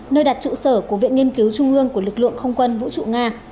nơi đặt trụ sở của viện nghiên cứu trung ương của lực lượng không quân vũ trụ nga